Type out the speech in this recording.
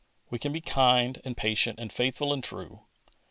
We can be kind and patient, and faithful and true.